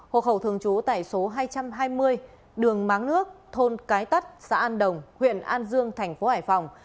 hộ khẩu thường trú tại số hai trăm hai mươi đường máng nước thôn cái tắt xã an đồng huyện an dương thành phố hải phòng